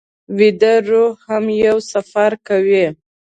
ویده روح هم یو سفر کوي